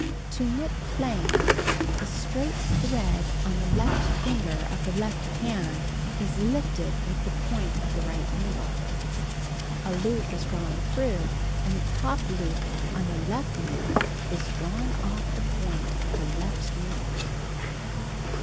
To knit plain the straight thread on the second finger of the left hand is lifted with the point of the right needle. Cut 2. A loop is drawn through; and the top loop on the left needle is drawn oflF the point of the left needle.